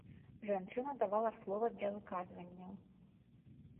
Жанчына давала слова для выказванняў.